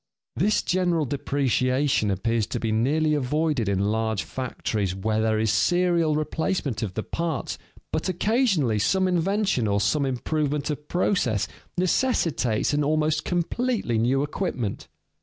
This general depreciation appears to be nearly avoided in large factories where there is serial replacement of the parts, but occasionally some invention or some improvement of process necessitates an almost completely new equipment.